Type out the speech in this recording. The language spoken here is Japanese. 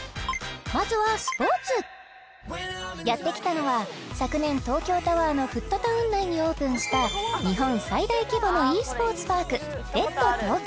まずはスポーツやって来たのは昨年東京タワーのフットタウン内にオープンした日本最大規模のｅスポーツパーク